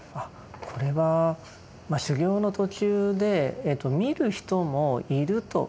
これは修行の途中で見る人もいるというように出てまいります。